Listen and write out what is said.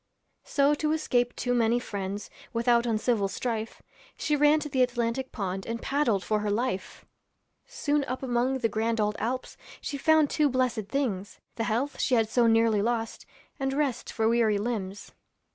So to escape too many friends, Without uncivil strife, She ran to the Atlantic pond And paddled for her life. Soon up among the grand old Alps She found two blessed things: The health she had so nearly lost, And rest for weary limbs.